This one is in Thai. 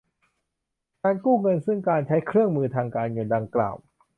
การกู้เงินซึ่งการใช้เครื่องมือทางการเงินดังกล่าว